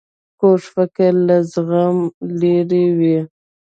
کوږ فکر له زغم لیرې وي